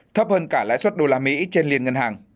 thấp hơn cả lãi suất usd trên liên ngân hàng